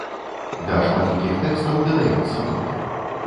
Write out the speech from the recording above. Да шматлікіх тэкстаў дадаюцца ноты.